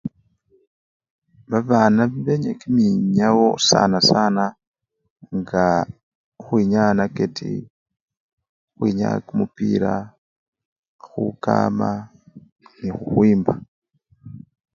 Babana benya kiminyawo sana sana ngaa khukhwinyaya naketi, khukhwinyaya kumupira, khukama nekhukhwimba.